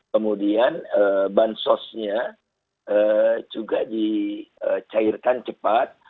kemudian bansosnya juga dicairkan cepat